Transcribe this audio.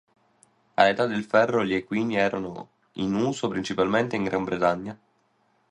All'età del ferro gli equini erano in uso principalmente in Gran Bretagna.